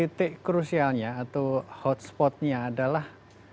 ya jadi titik krusialnya atau hotspotnya adalah